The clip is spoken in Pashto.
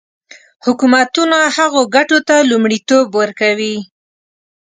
حکومتونه هغو ګټو ته لومړیتوب ورکوي.